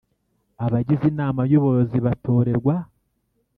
Abagize Inama y Ubuyobozi batorerwa